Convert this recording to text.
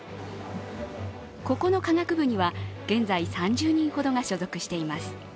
ここの科学部には現在３０人ほどが所属しています。